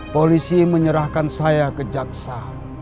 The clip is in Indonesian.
polisi menyerahkan saya ke jaksa